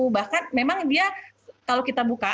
bahkan memang dia kalau kita buka